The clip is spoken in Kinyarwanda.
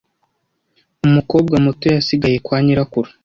Umukobwa muto yasigaye kwa nyirakuru.